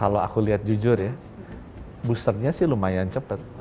kalau aku lihat jujur ya boosternya sih lumayan cepat